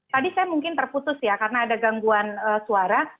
tadi saya mungkin terputus ya karena ada gangguan suara